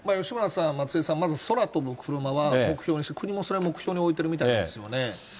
吉村さん、松井さん、まず空飛ぶ車は目標にして、それを目標に置いてるみたいですよね。